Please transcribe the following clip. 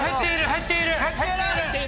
減っている！